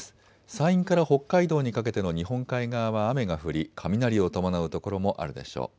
山陰から北海道にかけての日本海側は雨が降り雷を伴う所もあるでしょう。